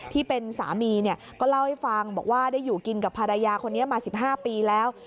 ที่เป็นสามีก็เล่าให้ฟังบอกว่าได้อยู่กินกับภรรยาคนนี้มา๑๕ปีแล้ว